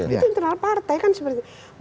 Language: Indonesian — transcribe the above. itu internal partai kan seperti